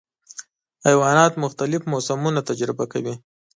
حیوانات مختلف موسمونه تجربه کوي.